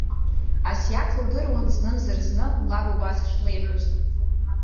Асиаҭ илдыруан знымзар-зны лаб убас шлеиҳәоз.